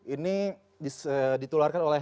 ini ditularkan oleh